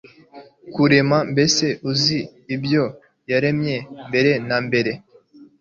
kurema mbese uzi ibyo yaremye mbere na mbere